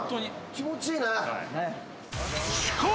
気持ちいいね。